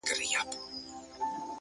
کنې دوى دواړي ويدېږي ورځ تېرېږي،